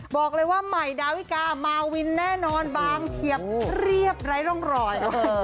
บอกเลยว่าใหม่ดาวิกามาวินแน่นอนบางเฉียบเรียบไร้ร่องรอย